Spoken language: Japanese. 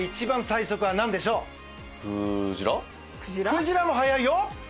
クジラも速いよ！